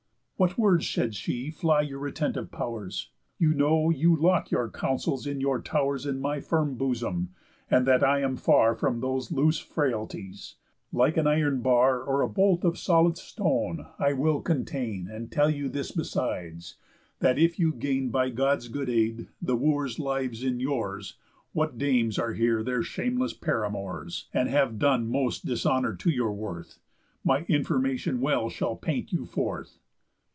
"What words," said she, "fly your retentive pow'rs? You know you lock your counsels in your tow'rs In my firm bosom, and that I am far From those loose frailties. Like an iron bar, Or bolt of solid'st stone, I will contain; And tell you this besides; that if you gain, By God's good aid, the Wooers' lives in yours, What dames are here their shameless paramours; And have done most dishonour to your worth, My information well shall paint you forth."